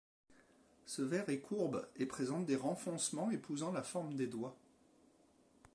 Ce verre est courbe et présente des renfoncements épousant la forme des doigts.